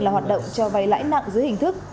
là hoạt động cho vay lãi nặng dưới hình thức